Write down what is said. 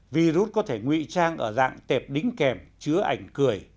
virus có thể nguy trang ở dạng tệp đính kèm chứa ảnh cười